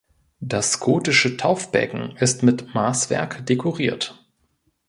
Das gotische Taufbecken ist mit Maßwerk dekoriert.